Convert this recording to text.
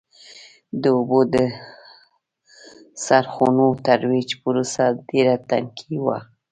د اوبو د څرخونو ترویج پروسه ډېره ټکنۍ وه.